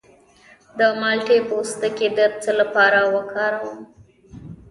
د مالټې پوستکی د څه لپاره وکاروم؟